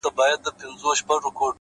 د ميني شر نه دى چي څـوك يـې پــټ كړي!!